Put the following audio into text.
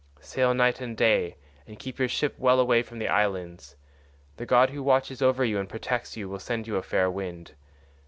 Sail night and day, and keep your ship well away from the islands; the god who watches over you and protects you will send you a fair wind.